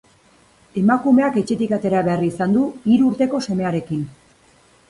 Emakumeak etxetik atera behar izan du, hiru urteko semearekin.